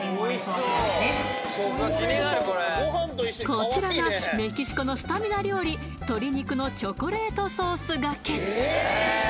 こちらがメキシコのスタミナ料理鶏肉のチョコレートソースがけ